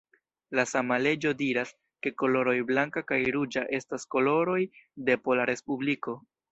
La sama leĝo diras, ke koloroj blanka kaj ruĝa estas koloroj de Pola Respubliko.